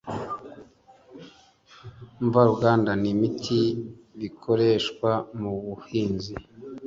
mvaruganda n imiti bikoreshwa mu buhinzi